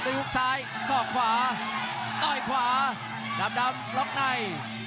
ต้มตีหุ้กซ้ายสอบขวาต้อยขวาดำดำล็อคใน